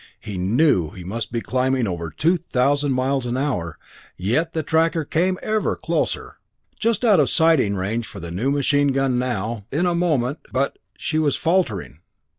He knew he must be climbing over two thousand miles an hour, yet the tracker came ever closer. Just out of sighting range for the machine gun now ... in a moment ... but, she was faltering!